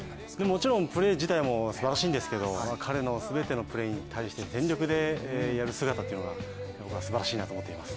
もちろんプレー自体もすばらしいんですけども彼の全てのプレーに対して全力でやる姿というのが僕はすばらしいなと思っています。